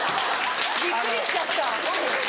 びっくりしちゃった。